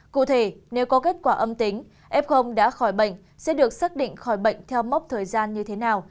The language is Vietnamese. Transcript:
cụ thể nếu có kết quả âm tính f đã khỏi bệnh sẽ được xác định khỏi bệnh theo mốc thời gian như thế nào